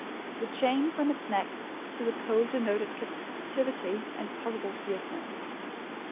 The chain, from its neck to the pole denoted captivity and possible fierceness.